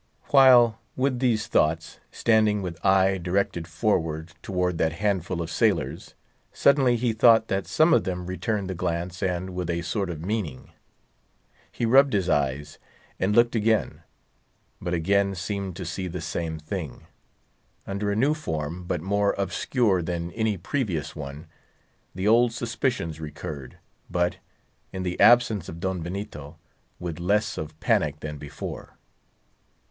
While, with these thoughts, standing with eye directed forward towards that handful of sailors, suddenly he thought that one or two of them returned the glance and with a sort of meaning. He rubbed his eyes, and looked again; but again seemed to see the same thing. Under a new form, but more obscure than any previous one, the old suspicions recurred, but, in the absence of Don Benito, with less of panic than before.